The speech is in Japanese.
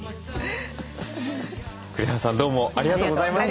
栗原さんどうもありがとうございました。